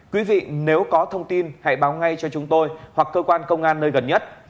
quý vị nếu có thông tin hãy báo ngay cho chúng tôi hoặc cơ quan công an nơi gần nhất